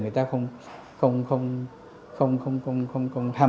người ta không hàm thích đi xe buýt lắm